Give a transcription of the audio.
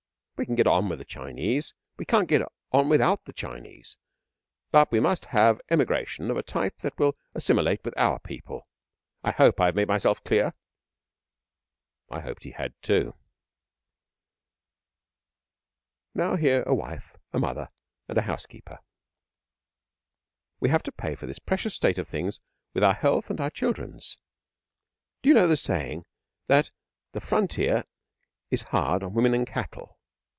'We can get on with the Chinese. We can't get on without the Chinese. But we must have Emigration of a Type that will assimilate with Our People. I hope I have made myself clear?' I hoped that he had, too. Now hear a wife, a mother, and a housekeeper. 'We have to pay for this precious state of things with our health and our children's. Do you know the saying that the Frontier is hard on women and cattle?